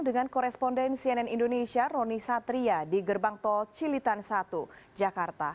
dengan koresponden cnn indonesia roni satria di gerbang tol cilitan satu jakarta